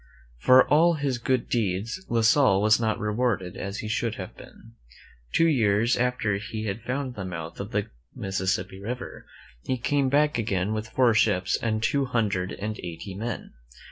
For all his good deeds La Salle was not rewarded as he should have been. Two years after he had found the mouth of the Mississippi River, he came back again with four ships and two hundred and eighty men.